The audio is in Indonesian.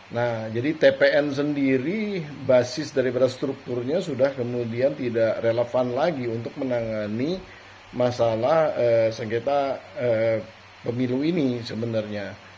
nah jadi tpn sendiri basis daripada strukturnya sudah kemudian tidak relevan lagi untuk menangani masalah sengketa pemilu ini sebenarnya